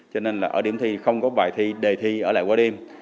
cho nên là ở điểm thi không có bài thi đề thi ở lại qua đêm